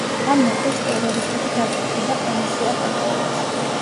ამ ნაპირს ტერორისტული დაჯგუფება ჰამასი აკონტროლებს.